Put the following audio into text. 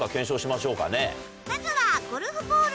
まずは。